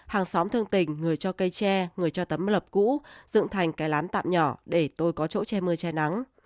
hàng xóm thương tình người cho cây tre người cho tấm lập cũ dựng thành cái lán tạm nhỏ để tôi có chỗ che mưa che nắng